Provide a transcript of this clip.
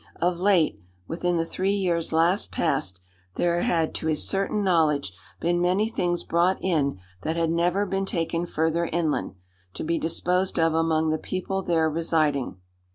Of late within the three years last past there had to his certain knowledge been many things brought in that had never been taken further inland, to be disposed of among the people there residing.